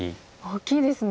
大きいですね。